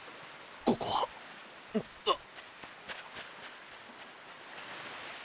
ここは。あっ。